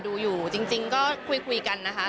ดูอยู่จริงก็คุยกันนะคะ